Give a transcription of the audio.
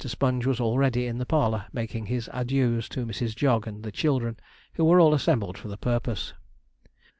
Sponge was already in the parlour, making his adieus to Mrs. Jog and the children, who were all assembled for the purpose.